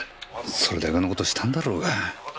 それだけの事したんだろうが！